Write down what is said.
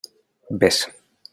Vés.